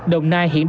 đồng nai hiểu được